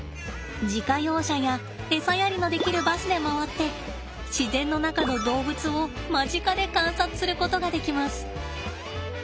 自家用車や餌やりのできるバスで回って自然の中の動物を間近で観察することができます。